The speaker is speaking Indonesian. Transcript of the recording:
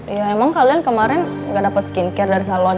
ya emang kalian kemarin gak dapat skincare dari salon